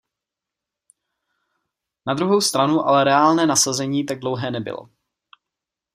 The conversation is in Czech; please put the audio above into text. Na druhou stranu ale reálné nasazení tak dlouhé nebylo.